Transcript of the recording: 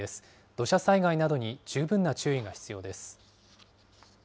土砂災害などに十分な注意が必要です。